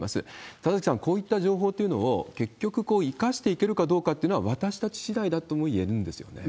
田崎さん、こういった情報というのを、結局、生かしていけるかどうかというのは私たちしだいだともいえるんですよね。